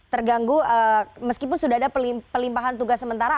terganggu meskipun sudah ada pelimpahan tugas sementara